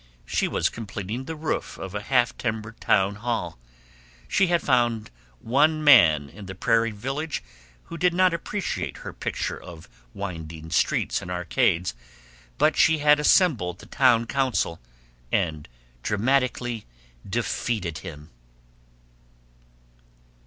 She was completing the roof of a half timbered town hall. She had found one man in the prairie village who did not appreciate her picture of winding streets and arcades, but she had assembled the town council and dramatically defeated him.